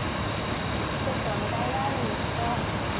１つお願いがあるんですけど。